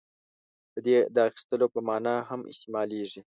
• دې د اخیستلو په معنیٰ هم استعمالېږي.